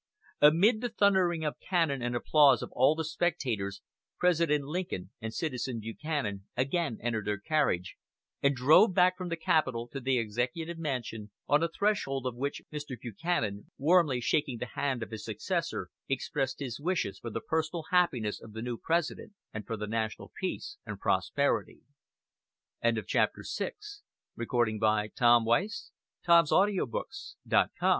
Amid the thundering of cannon and the applause of all the spectators, President Lincoln and Citizen Buchanan again entered their carriage and drove back from the Capitol to the Executive Mansion, on the threshold of which Mr. Buchanan, warmly shaking the hand of his successor, expressed his wishes for the personal happiness of the new President, and for the national peace and prosperity. VII. LINCOLN AND THE WAR It is one thing to be elected President of the United States, that means triumph, honor, power: it is